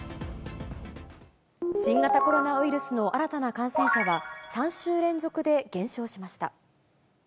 新型コロナウイルスの新たな感染者は、３週連続で減少しました。